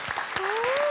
すごい！